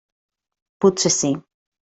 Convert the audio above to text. Potser sí.